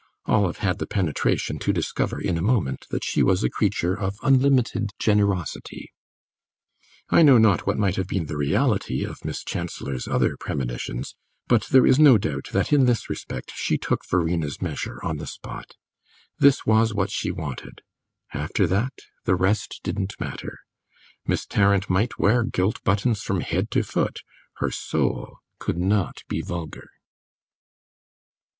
Olive had the penetration to discover in a moment that she was a creature of unlimited generosity. I know not what may have been the reality of Miss Chancellor's other premonitions, but there is no doubt that in this respect she took Verena's measure on the spot. This was what she wanted; after that the rest didn't matter; Miss Tarrant might wear gilt buttons from head to foot, her soul could not be vulgar.